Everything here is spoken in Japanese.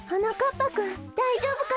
ぱくんだいじょうぶかしら？